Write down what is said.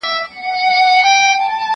خو زه تاسي ته كيسه د ژوند كومه